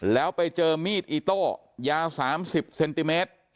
แล้วไปเจอมีดอิโต้ยาว๓๐เซนติเมตร